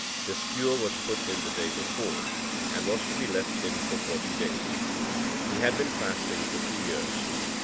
The skewer was put in the day before, and was to be left in for forty days. He had been fasting for two years.